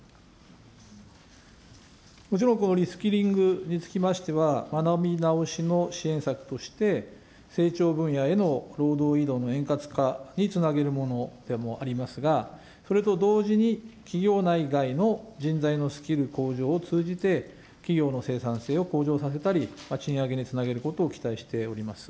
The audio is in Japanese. もちろん、このリスキリングにつきましては、学び直しの支援策として、成長分野への労働移動の円滑化につなげるものでもありますが、それと同時に、企業内外の人材のスキル向上を通じて、企業の生産性を向上させたり、賃上げにつなげることを期待しております。